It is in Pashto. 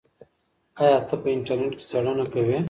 آیا ته په انټرنیټ کې څېړنه کوې؟